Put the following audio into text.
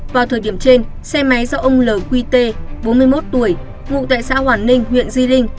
vào thời điểm trên xe máy do ông l q t bốn mươi một tuổi ngụ tại xã hoàn ninh huyện di linh